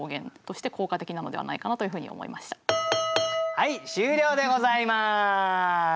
はい終了でございます。